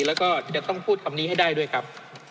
แล้วก็จะต้องพูดคำนี้ให้ได้ด้วยครับ